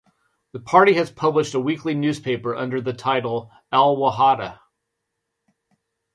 The party has published a weekly newspaper under the title of "Al Wahada".